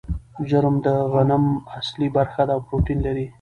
جرم د غنم اصلي برخه ده او پروټین لري.